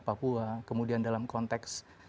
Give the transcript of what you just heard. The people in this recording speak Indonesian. papua kemudian dalam konteks